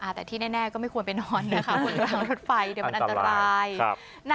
อ่าแต่ที่แน่ก็ไม่ควรไปนอนนะคะหลังรถไฟเดี๋ยวมันอันตรายอันตรายครับ